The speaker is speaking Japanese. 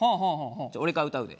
じゃあ俺から歌うで。